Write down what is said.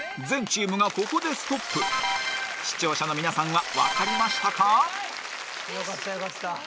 全チームがここでストップ視聴者の皆さんは分かりましたか？